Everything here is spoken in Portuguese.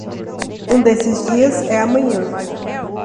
Um desses dias é amanhã.